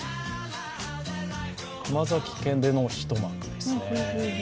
熊崎家での一幕ですね。